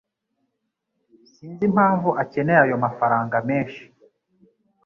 Sinzi impamvu akeneye ayo mafranga menshi.